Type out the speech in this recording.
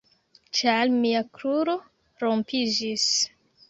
Ĉar mia kruro rompiĝis.